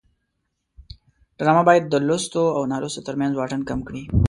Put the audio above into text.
ډرامه باید د لوستو او نالوستو ترمنځ واټن کم کړي